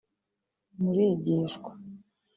murigishwa